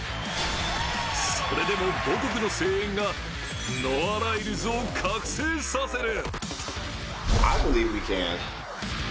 それでも母国の声援がノア・ライルズを覚醒させる。